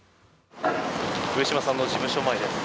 上島さんの事務所前です。